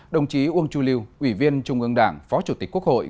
đồng chí uông chu lưu ủy viên trung ương đảng phó chủ tịch quốc hội